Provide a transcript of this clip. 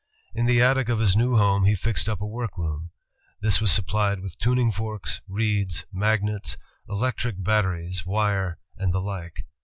In the attic of his new home he fixed up a workroom. This was supplied with tuning forks, reeds, magnets, electric batteries, wire, and the like.